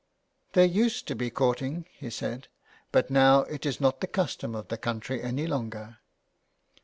'' There used to be courting/^ he said, " but now it is not the custom of the country any longer.''